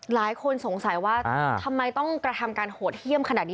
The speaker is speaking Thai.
หลายคนสงสัยว่าทำไมต้องกระทำการโหดเยี่ยมขนาดนี้